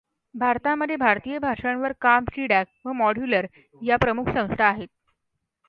भारतामध्ये भारतीय भाषांवर काम सी डॅक व मॉड्युलर या प्रमुख संस्था आहेत.